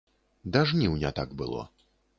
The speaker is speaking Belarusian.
Да жніўня так было.